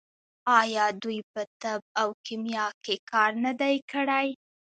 آیا دوی په طب او کیمیا کې کار نه دی کړی؟